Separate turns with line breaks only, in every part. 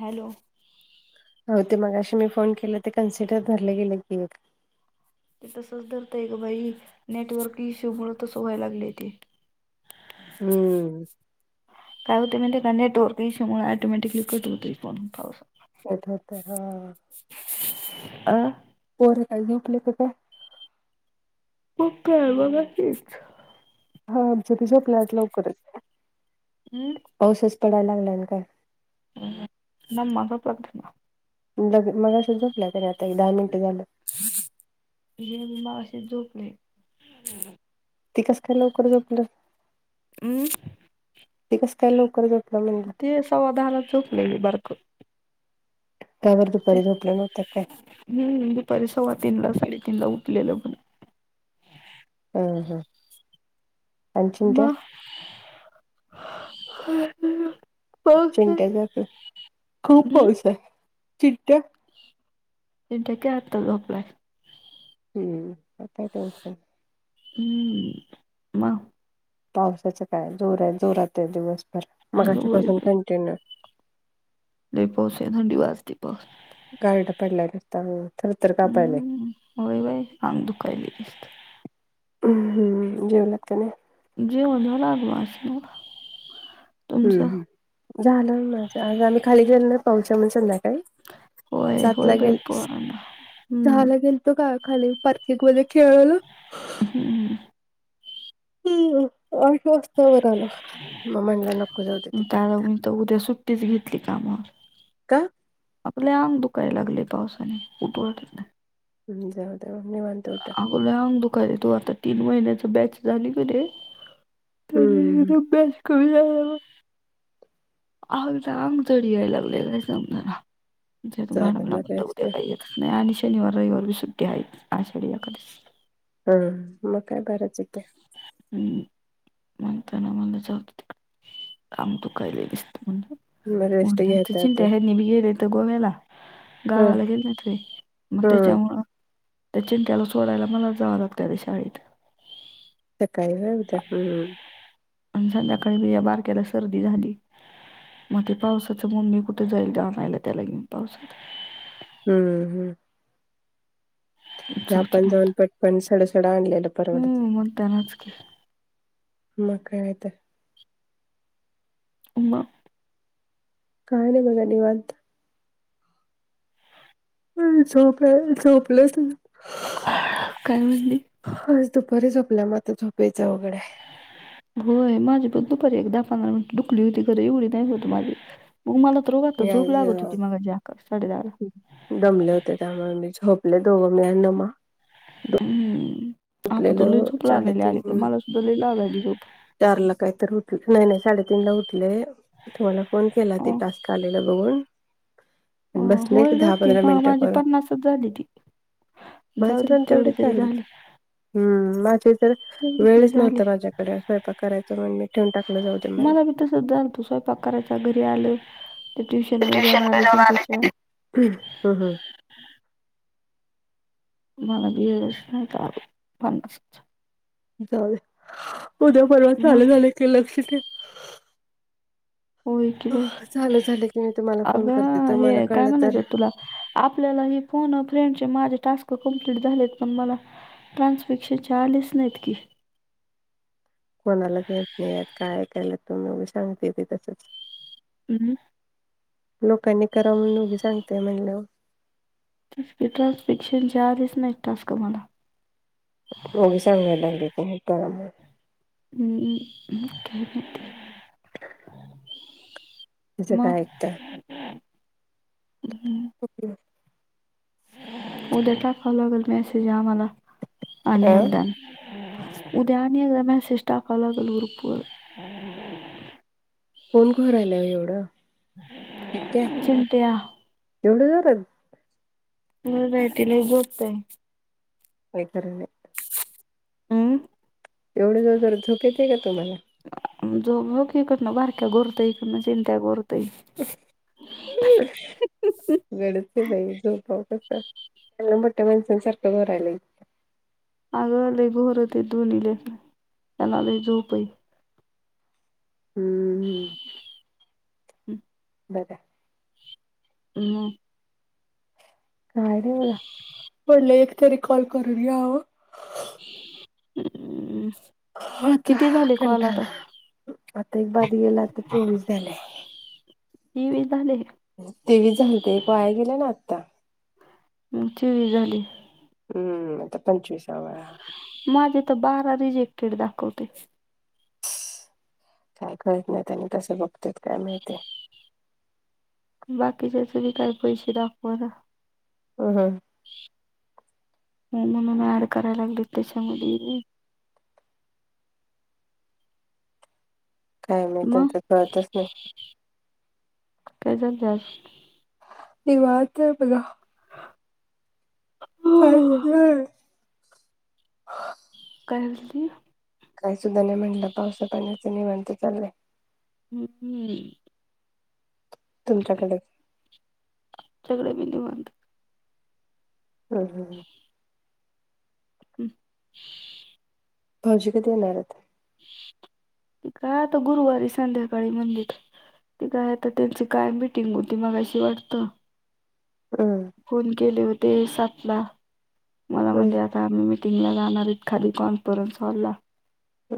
Hello
हो ते मगाशी मी फोन केला ते कन्सिडर धरलं गेले की एक
ते तसच धरतय ग बाई नेटवर्क इश्यूमूळ तस व्हाय लागलय ते
हम्म
काय होतय माहीत आहे का नेटवर्क इशूच्यामुळ ऑटोमॅटिकली कट होतय फोन थोडासा
कट होतय हा
अ
पोर काय झोपले का काय?
मग काय बघा कीच
हा आमच त झोपल आज लवकरच
अम्म
पाऊसच पडायला लागला आणि काय
हम्म मम्मा झोपला का बघतय.
लग मघाशीच झोपलाय तरी आता हे दहा मिनिट झालं.
[unintelligible] अशीच झोपली.
ते कस काय लवकर झोपल.
अम्म
ती कसं काय लवकर झोपलं म्हणलं
ते सव्वा दहालाच झोपलेली बारक
काय बरं
ते
दुपारी झोपल्या नव्हत्या काय?
हम्म दुपारी सव्वा तीन ला साडेतीन ला उठलेलं पण
हा हा आणि चिंट्या
म
आज चिट्या जातोय. खूप पाऊस हाय. चिट्या
चिंट्टया काय आता झोपलाय.
हम्म आता काय उठल
हम्म म
पावसाच काय जोर हाय जोरात हाय दिवसभर मगाच्या पासून
मग
कंटिन्यू
लय पाऊस हाय थंडी वाजती पार
गारठ पडलय नुसतं थर थर कापायलंय.
हम्म होय बाई अंग दुखायले दिसतं
तुम्ही [unintelligible] जेवलात का नाय
जेवलो बाबू आस मी
हम्म झालंय माझा आज आम्ही खाली गेलो नाय पावसामुळं संध्याकाळी.
होय
सात
होय
ला
बाई
गेल
पोरांना
सहा
हम्म
ला गेल म का खाली पार्किंगमध्ये खेळाला.
हम् [unintelligible]
हम्म आठ वाजता वर आला. मग म्हणला नको जा दे तिकडे
त्याला
आता.
मी तर उद्या सुट्टीच घेतली कामावर
का?
आपले आंग दुखाय लागले पावसाने उठळ नाही.
हम् जाऊ निवंत तोट.
गोला अंग दुखायला आहे तू आता तीन महिन्याच बॅच झाली का रे. तर
हम्म
एकद बेस् कमी. अ चांग चढ याय लागलेलं नाही समजा म्हणजे तू
जाऊ दे
मॅडमला
मग
पण बघ
रेस्ट
दे्या काही. नाही आणि शनिवार रविवार सुट्टी आहे आषाढ एकादशीची.
हम मग काय करायचे ते
हम्म. म्हणताना मला जात काम तू अंग दुखायला लागलंय जास्त
मग रेस्ट घेता येते
चिंटा आहे बी गेले तर गोव्याला.
हा
गावाला गेल्याय रे मग
हा
त्याच्यामुळ त्या चिंक्याला सोडायला मला जावं लागतं तेरी शाळेत.
ते सकाळी हो त्या हा
आणि संध्याकाळी या बारक्याला सर्दी झाली. मग ते पावसाचं मम्मी कुठे जाईल आणायला त्याला घेऊन पावसात.
हम्म हम्म ते
जाऊदे
आपण
मग
जाऊन पटपण सडसड आणलेलं. परवडते
हम्म मग त्यांनच की
मग काय येतंय?
मग
काय नाही बघा निवात. ह झोपलं झोपलंच.
काय म्हटली?
ह दुपारी झोपल्यामुळे आता झोपयचं अवघड आहे.
होय माझी पण दुपारी एक दहा पंधरा मिनिट दुकली होती घर एवढी नाही होत माझी मग मला तर रोख आता
मी
झोप लागत होती
आज
मग अकरा साडेदहाला
दमले होते त्यामुळे झोपले दोघं मी आणि नमा.
हम्म आता तर लय
झोपलेलं
झोप लागायला लागली आणि पण मला सुद्धा ल लागली झोप.
चार ला काहीत उठ नाही नाही साडेतीन ला उठले तुम्हाला फोन केला ते
अं.
टास्क आले. बघून
अ
बसले
होय ग
दहा
ती
पंधरा
मा-
मिनट
माझी
करून
पन्नासच झाली ती जाऊ
माझे
दे
पण
तेवढी
तेवढे
तरी
चालय.
झाली
हम्म माझे तर
तेवढी तरी
वेळच
झाली
नव्हता माझ्याकडे. स्वयंपाक करायचा म्हणजे ठेवून टाकलं जाऊ दे म्हण.
तर सध्या स्वयंपाक करायचा घरी आलं तर ट्युशन मध्ये जाऊन आली चिंटूच्या
ह ह
मला बीएस नाही का आवडत फणसाचा.
जाऊ दे उद्या परवा
मग
चालू झालं की लक्ष दे.
होय की बाई
झालं झालं की मी तुम्हाला फोन करते
अगं
तुम्हाला
हे काय
कळलं तर
म्हणायचं तुला? आपल्याला ह फोन फेंडचे माझे टास्क कंप्लीट झालेत पण मला ट्रान्सफिक्शनचे आलेत नाहीत की
कोणाला देत नाही काय कायला तुम्ही उगीच सांगते ते तसंच
अं.
लोकांनी करावं मनून, उगी सांगतेय म्हणलं, ओ.
तेच की. ट्रान्सफीक्शनचे, आलेच नाहीत टास्क मला.
ऊगी सांगायला लागलेती. हे करा मनून.
अ म काय माहिती?
[inaudible] तेचं काय
मग
ऐकता? [unintelligible]
उद्या टाकाव लागल मॅसेज आमाला. आणि
अ
एगदा न. उद्या आणी एकदा, मॅसेज टाकावा लागल ग्रुपवर.
कोण घोरायलाय एवढं? [unintelligible]
चिंट्या
एवढं जोरात?
[unintelligible] बाई ती लय बोलतय.
काय तर [unintelligible]
अं.
एवढं जोर - जोरात. झोप येतेय का तुम्हाला?
झो बघ, इकडनं बारक्या गोरतंय. इकडनं. चिंट्या गोरतंय.
[unintelligible] अवगडचय बाई, झोपावं कसं? चांगलं मोठ्या माणसासारखं घोरायलंय.
आगं, लय घोरतेत, दोन्ही लेकरं. त्यांनाला झोपय.
हम्म, हम्.
हम्.
बरं.
म.
काय नाही बघा. म्हणलं, एक तरी कॉल करून घ्यावं.
हम्.
हो, आता कंटाला. आता एक बाद गेला. आता चोवीस झाले.
तेवीस झाले.
तेवीस झालते. एक वाया गेला ना आत्ता.
चोवीस झाली.
हम्म, आता पंचवीसावाय हा.
माझे तर, बारा रिजेक्टेड दाखवतय.
काय कळत नाही. त्यांनी तसं बघत्यात काय माहितीय?
बाकीच्याच बी काय पैसे दाखव ना.
ह, ह.
म्हणून ऍड करायला लागलेत, त्याच्यामधी बी.
काय माहित
मग?
त्यांचं कळतच नाही
काय, चाललं आज?
हिरवा संपला. काहीच नाही.
काय मनली?
काय सुद्धा नाही म्हणलं. पावसा पाण्याचं निवांत चाललय.
[unintelligible]
तुमच्याकडे.
आमच्याकड बी निवांत.
ह, ह, ह.
हम्.
भावजी कधी येणार हायत?
काय आता गुरुवारी संध्याकाळी म्हणलीत. ती काय आता त्यांची काय मिीटिंग होती मगाशी वाटतं.
अ अ!
फोन केले होते सातला मला
हम्म
म्हणले आता आम्ही मिीटिंगला जाणार हाईत खाली कॉन्फरन्स हॉलला
अ!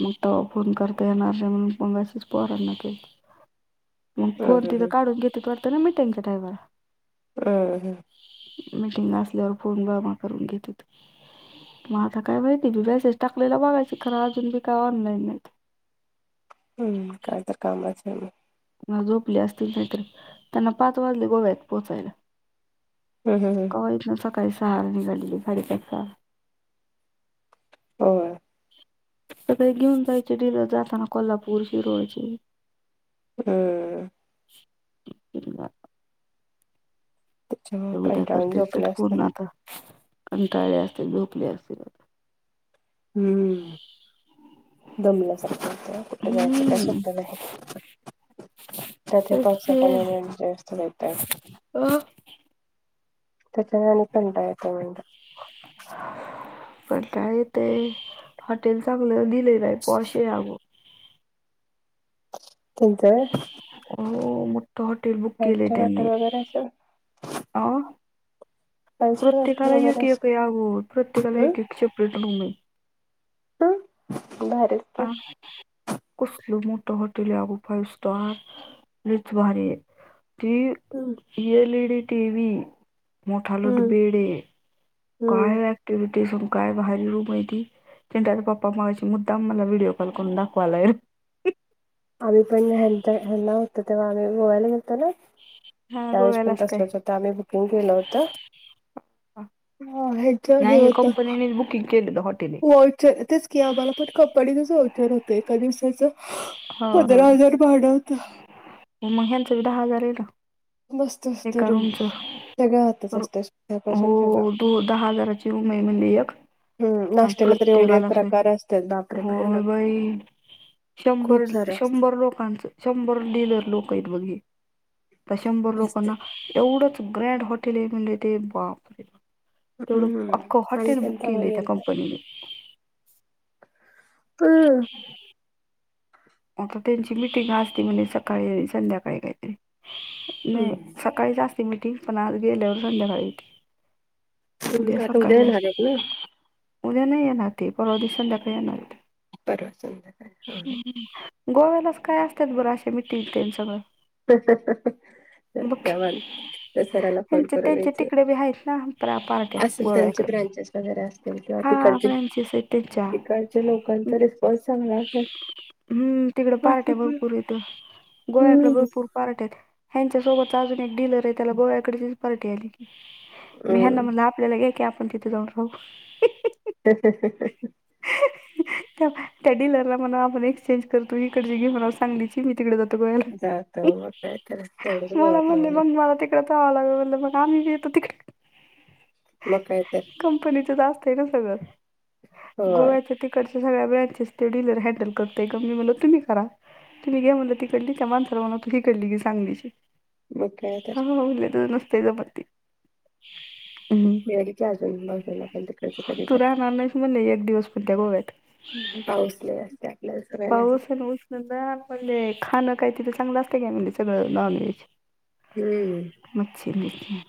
मग तवा फोन करता येणार नाही म्हणून मॅसेज पोरांना केलतीत. मग
हम्म
फोन
हम्म
तिथं काढून घेत्यात वाटत ना मिटिंगच्या टाइमाला?
बरं!
मीटिंगला असल्यावर फोन जमा करून घेत्यात. मग आता काय माहिती मी मॅसेज टाकलेला बघायचे खरं अजून बी काय ऑनलाईन नाही.
हम्म, काय तर काम असणार म
म झोपले असतील नाहीतर त्यांना पाच वाजले गोव्यात पोहचायला.
ह ह ह!
हो हिथंन सकाळी सहाला निघली गाडी एकदा
होय!
सकाळी घेऊन जायचे तिला जाताना कोल्हापूर शिरोळचे
ह! त्याच्यामुळे
उद्या
कंटाळून
करतील
झोपले असतील
चटकून आता कंटाळले असतील झोपले असतील
हम्म! दमल्यासारख होतं कुठ जायचं काय
हम्म
सोप्प नाही. त्यात
तेच
पाऊसापाण्यामुळं जास्त रेट हाय.
अ
[unintelligible]
[inaudible] पण काय ते हॉटेल चांगल दिलेले नाही पॉश हाय ग.
त्यांचं
हो मोठं हॉटेल बुक
फाईव्ह
केले
स्टार
त्यांनी
हॉटेल वगैरे असेल
अ!
फाईव्ह स्टार हॉटेल
प्रत्येकाला
वगैरे
एक एक
असेल
अगो प्रत्येकाला
हं
एक एक सेप्रेट रूम हाय.
अ, भारी!
आ! कसलं मोठ हॉटेल हाय अग फाईव्ह स्टार लयच भारी हाय ती
हम्म!
एल ईडी टीव्ही मोठा लोट
हम्म
बेड आहे.
हम्म
काय ऍक्टिव्हिटीज काय भारी रूम आहे ती चिंट्याचा पप्पा मगाशी मुद्दाम मला विडिओ कॉल करून दाखवालय.
आम्ही पण हेंच ह्यांना होतो तेव्हा आम्ही गोव्याला गेलतो न्हाय
हा
त्यावेळेस पण
गोव्यालाच काय
तसलच होतं आम्ही बुकिंग केलं होत हा हेच हे होतं
कीकेल हॉटेली
पॉलचे तेच की आम्हाला पण कपनीनेच औचार होत एका दिवसाच.
हो हो मग ह्यांच ही दहा हजार हाय ना?
मस्त असतं
एका
रूम
रूमच
सगळं हातच
रु
असतं सकाळपासून सगळं
हो दो दहा हजाराची रूम आहे म्हणे एक
हम्म नाश्त्याला तर एवढे
प्रत्येकाला असं
प्रकार असतात बापरे
हाय होय
भयानक
बाई. शंभर,
खूप सारे असतात
शंभर लोकांचं. शंभर डिलर लोकयत बघ ही. आता शंभर
असते
लोकांना, एवढंच ग्रँड हॉटेलय म्हणले ते. बापर! तेवढं,
हम्म
आखो
आम्ही
हॉटेल
पण
बुक
तेव्हा
केलयं, त्या
गेलतो
कंपनीने.
[unintelligible]
आता त्यांची मिीटिंग असती म्हने, सकाळी आणि संध्याकाळी काहीतरी. नाही,
हम्म.
स सकाळीच आस्ती मिटिंग. पण आज गेल्यावर संध्याकाळी घेती. उद्या
हम्म, आता
सकाळी
येणार
असती.
आहेत ना
उद्या नाही येणार ते. परवा दिशी संध्याकाळी येणारत.
परवा संध्याकाळी. हा.
गोव्यालाच काय असत्यात बरं. अशा मिटिंग, ते न सगळं.
[unintelligible]
बघ
त्या [unintelligible] तर सराला फोन
ह्यांचे
करून
त्यांचे
विचार.
तिकडे बी आहेत ना प्रा- पार्ट्या
असेल त्यांचे
गोव्याकडे
ब्रांच वगैरे असतील किंवा
हा
तिकडचे,
ब्रँचेस आहेत त्यांच्या
तिकडच्या लोकांचा रिस्पॉन्स चांगला असेल.
हम्म, तिकडं पार्ट्या
हम्म
भरपूरयत. गोव्याकडे भरपूर पार्ट्यायत. ह्यांच्या सोबतचा अजून एक डीलरय. त्याला गोव्या कडचीच पार्टी आली की. मी ह्यांना
हम्म
म्हणल, आप आपल्याला घ्या की, आपण तिथे जाऊन राहू.
[unintelligible]
[unintelligible] त्या, त्या डीलरला म्हणा, आपण एक्सचेंज कर. तू इकडची घे म्हणा सांगलीची. मी तिकडे जातो गोव्याला.
जातो मग काय तर तेवढंच
[unintelligible] मला
गोव्यात
म्हणले
राहून
मग मला तिक तिकड जावा लागंल. मनलं मघ आम्ही बी येतो तिकडं.
मग काय तर?
कंपनीचच असतय ना सगळं.
होय
गोव्याच ती इडच्या सगळ्या ब्रँचेस ते डीलर हँडल करत ते क मी म्हणल तुम्ही करा. तुम्ही घ्या म्हणलं, तीकडली. त्या मानसाला म्हणाव तू हीकडली घी सांगलीची.
मग काय
हा
तर
हा. म्हणले, तसं नसतंय जमत ती.
वेळी आली की, अजून बघजाल आपण तिकडच कधीतर.
म्हणलं, एक दिवस फिर त्या गोव्यात.
ह. पाऊस लय असत्याय.
पाऊस आणि उष्ण जा पडले. खाणं काय तिथ चांगलं असत का म्हणले. सगळं नॉनव्हेज.
हम्म.
मच्छी [unintelligible]